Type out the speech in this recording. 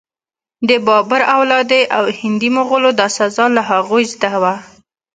د بابر اولادې او هندي مغولو دا سزا له هغوی زده وه.